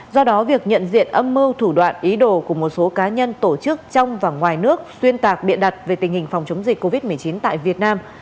do đó việc nhận diện âm mưu thủ đoạn ý đồ của một số cá nhân tổ chức trong và ngoài nước xuyên tạc biện đặt về tình hình phòng chống dịch covid một mươi chín tại việt nam